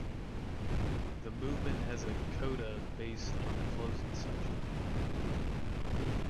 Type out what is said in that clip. The movement has a coda based on the closing section.